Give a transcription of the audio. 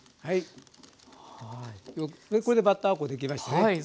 はいこれでバッター粉できましたね。